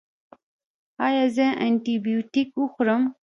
ایا زه انټي بیوټیک وخورم؟